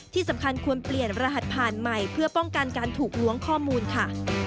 ที่สำคัญควรเปลี่ยนรหัสผ่านใหม่เพื่อป้องกันการถูกล้วงข้อมูลค่ะ